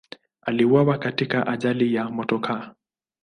Aliuawa katika ajali ya motokaa.